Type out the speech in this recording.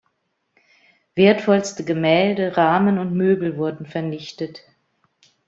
Wertvollste Gemälde, Rahmen und Möbel wurden vernichtet.